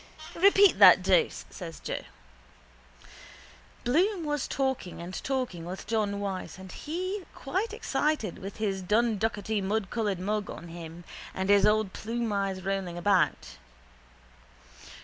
—Repeat that dose, says Joe. Bloom was talking and talking with John Wyse and he quite excited with his dunducketymudcoloured mug on him and his old plumeyes rolling about.